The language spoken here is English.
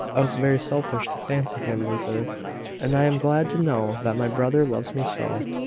"I was very selfish to fancy him reserved; and I am glad to know that my brother loves me so.